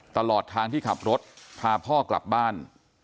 ตลอดทางที่ขับรถพาพ่อกลับบ้าน